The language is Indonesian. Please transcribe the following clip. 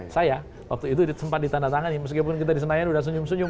saya waktu itu sempat ditandatangani meskipun kita disenayangin udah senyum senyum